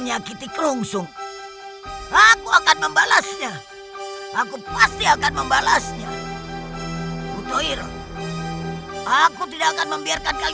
aku tidak akan membiarkan kalian hidup